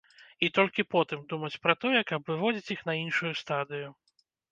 І толькі потым думаць пра тое, каб выводзіць іх на іншую стадыю.